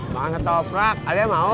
makan ketoprak alia mau